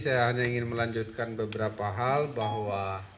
saya hanya ingin melanjutkan beberapa hal bahwa